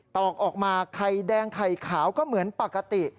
ตอกออกมาไข่แดงไข่ขาวก็เหมือนปกติ